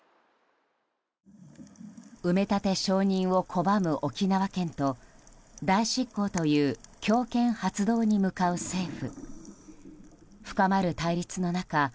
埋め立て承認を拒む沖縄県と代執行という強権発動に向かう政府。